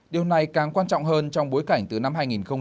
điều này càng quan trọng hơn trong bối cảnh từ năm hai nghìn một mươi tám